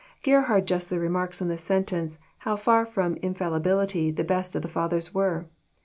Gerhard Justly remarks on this sentence, how far A:om infal libility the best of the Fathers were.